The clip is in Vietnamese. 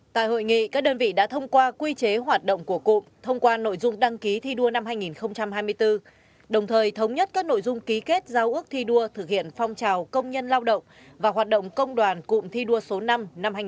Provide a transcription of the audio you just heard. tại hội nghị các đơn vị đã thông qua quy chế hoạt động của cụm thông qua nội dung đăng ký thi đua năm hai nghìn hai mươi bốn đồng thời thống nhất các nội dung ký kết giao ước thi đua thực hiện phong trào công nhân lao động và hoạt động công đoàn cụm thi đua số năm năm hai nghìn hai mươi bốn